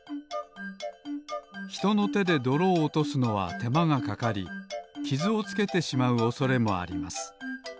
ひとのてでどろをおとすのはてまがかかりきずをつけてしまうおそれもあります。